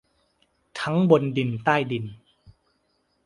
ทั้งบนดินใต้ดิน